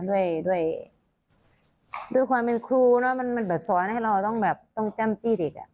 ด้วยความเป็นครูเนอะมันแบบสอนให้เราต้องจ้ำจี้เด็ก